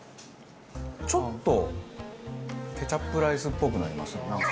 ちょっとケチャップライスっぽくなりますねなんか。